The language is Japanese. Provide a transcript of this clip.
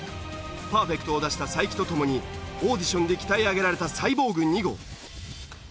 パーフェクトを出した才木と共にオーディションで鍛え上げられたサイボーグ２号。